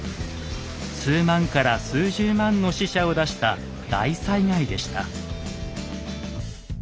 数万人から数十万の死者を出した大災害でした。